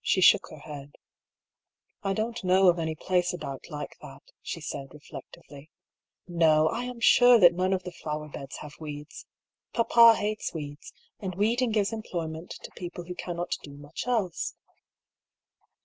She shook her head. " I don't know of any place about like that," she said, reflectively. " No 1 I am sure that none of the flower beds have weeds. Papa hates weeds : and weed ing gives employment to people who cannot do much else."